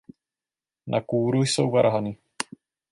Na kůru jsou varhany.